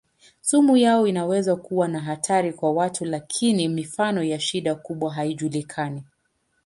Sumu yao inaweza kuwa na hatari kwa watu lakini mifano ya shida kubwa haijulikani.